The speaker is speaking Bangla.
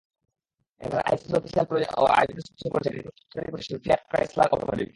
এবারের আইসিসি অফিশিয়াল আয়োজনের স্পনসর করছে গাড়ি প্রস্তুতকারী প্রতিষ্ঠান ফিয়াট ক্রাইসলার অটোমোটিভ।